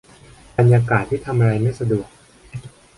บรรยากาศที่ทำอะไรไม่สะดวก